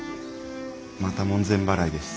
また門前払いです。